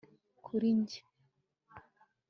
kuri njye